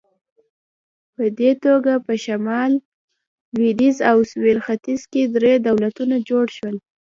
په دې توګه په شمال، لوېدیځ او سویل ختیځ کې درې دولتونه جوړ شول.